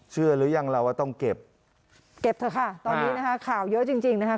หรือยังเราว่าต้องเก็บเก็บเถอะค่ะตอนนี้นะคะข่าวเยอะจริงจริงนะคะ